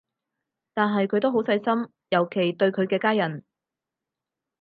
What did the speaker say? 但係佢都好細心，尤其對佢嘅家人